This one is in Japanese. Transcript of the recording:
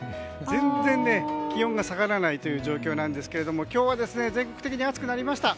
全然気温が下がらないという状況なんですが今日は全国的に暑くなりました。